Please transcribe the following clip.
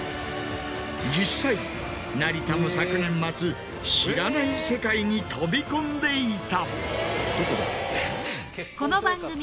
実際成田も昨年末知らない世界に飛び込んでいた。